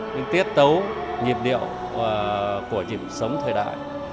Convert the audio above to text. những tiết tấu nhịp điệu của nhịp sống thời đại